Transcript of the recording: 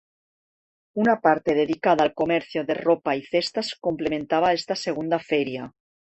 Una parte dedicada al comercio de ropa y cestas complementaba esta segunda feria.